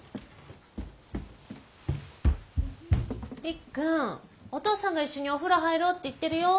りっくんお父さんが一緒にお風呂入ろうって言ってるよ。